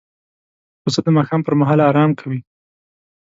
پسه د ماښام پر مهال آرام کوي.